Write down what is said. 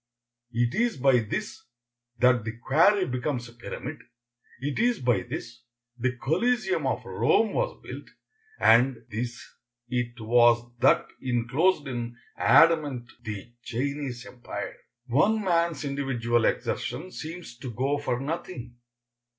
It is by this that the quarry becomes a pyramid; it is by this the Coliseum of Rome was built; and this it was that inclosed in adamant the Chinese empire. One man's individual exertion seems to go for nothing.